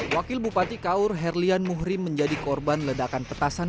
wakil bupati kaur herlian muhri menjadi korban ledakan petasan